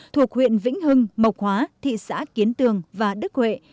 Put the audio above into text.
thuộc huyện vĩnh hưng mộc hóa thị xã kiến tường và đức huệ